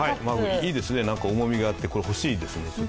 いいですね、何か重みがあってこれ欲しいですね。